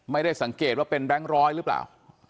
ไม่ได้สังเกตว่าเป็นแบงค์ร้อยหรือเปล่า